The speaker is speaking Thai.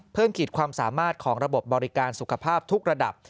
ขีดความสามารถของระบบบริการสุขภาพทุกระดับ